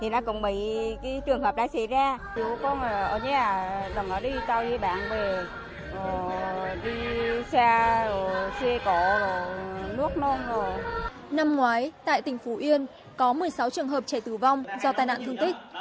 năm ngoái tại tỉnh phú yên có một mươi sáu trường hợp trẻ tử vong do tai nạn thương tích